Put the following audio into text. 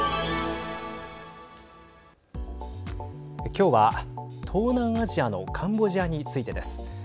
きょうは、東南アジアのカンボジアについてです。